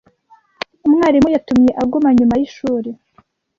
Umwarimu yatumye aguma nyuma yishuri.